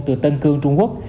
từ tân cương trung quốc